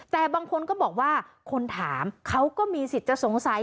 แต่บางคนก็บอกว่าคนถามเขาก็มีสิทธิ์จะสงสัย